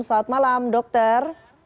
selamat malam dokter